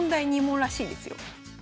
２問らしいですよ。